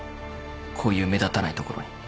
こういう目立たない所に。